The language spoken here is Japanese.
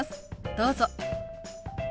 どうぞ。